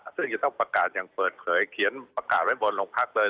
ซึ่งจะต้องประกาศอย่างเปิดเผยเขียนประกาศไว้บนโรงพักเลย